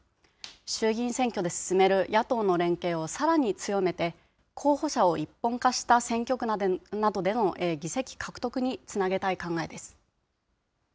衆議院選挙で進める野党の連携をさらに強めて、候補者を一本化した選挙区などでの議席獲得につなげたい考えです。